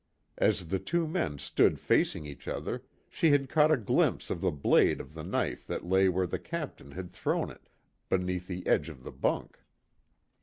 As the two men stood facing each other, she had caught a glimpse of the blade of the knife that lay where the Captain had thrown it, beneath the edge of the bunk.